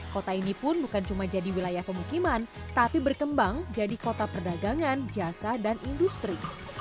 kota ini pun bukan cuma jadi wilayah pemukiman tapi berkembang jadi kota perdagangan jasa dan industri